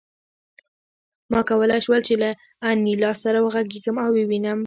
ما کولای شول چې له انیلا سره وغږېږم او ویې وینم